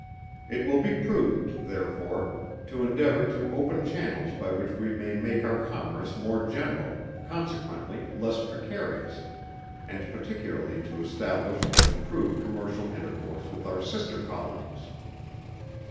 It will be prudent, therefore, to endeavour to open channels by which we may make our Commerce more general, consequently less precarious, and particularly to establish and improve commercial intercourse with our sister Colonies.